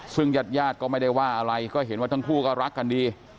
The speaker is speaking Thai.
ซึ่งญาติญาติก็ไม่ได้ว่าอะไรก็เห็นว่าทั้งคู่ก็รักกันดี